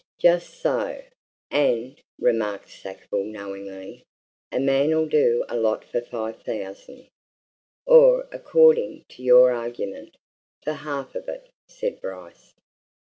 "Just so! And," remarked Sackville knowingly, "a man'll do a lot for five thousand." "Or according to your argument for half of it," said Bryce.